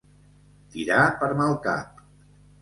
Tirar per mal cap.